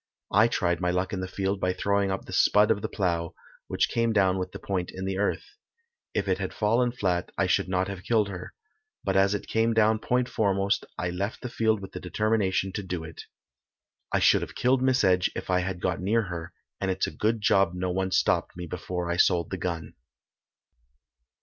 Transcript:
I tried my luck in the field by throwing up the "spud" of the plough, which came down with the point in the earth. If it had fallen flat I should not have killed her, but as it came down point foremost I left the field with the determination to do it. I should have killed Miss Edge if I had got near her, and it's a good job no one stopped me before I sold the gun."